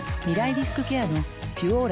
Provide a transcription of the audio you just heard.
リスクケアの「ピュオーラ」